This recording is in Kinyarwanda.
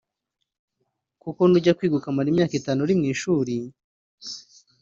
Kuko nujya kwiga ukamara imyaka itanu uri mu ishuri